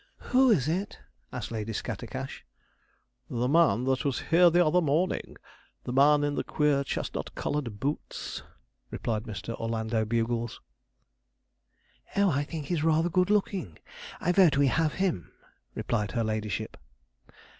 'Who is it?' asked Lady Scattercash. 'The man that was here the other morning the man in the queer chestnut coloured boots,' replied Mr. Orlando Bugles. 'Oh, I think he's rather good looking; I vote we have him,' replied her ladyship.